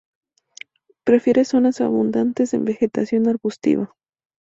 Prefiere zonas abundantes en vegetación arbustiva.